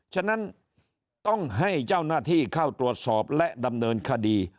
ฉะนั้นต้องให้เจ้าหน้าที่เข้าตรวจสอบและดำเนินคดี